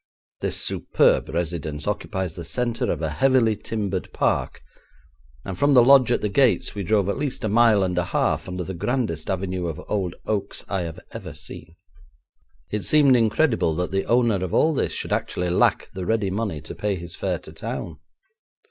This superb residence occupies the centre of a heavily timbered park, and from the lodge at the gates we drove at least a mile and a half under the grandest avenue of old oaks I have ever seen. It seemed incredible that the owner of all this should actually lack the ready money to pay his fare to town!